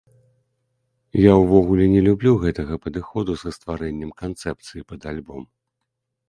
Я ўвогуле не люблю гэтага падыходу са стварэннем канцэпцыі пад альбом.